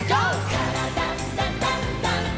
「からだダンダンダン」